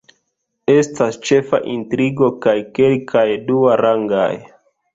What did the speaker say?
Estas ĉefa intrigo kaj kelkaj duarangaj.